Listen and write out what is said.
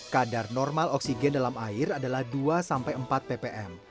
kadar normal oksigen dalam air adalah dua sampai empat ppm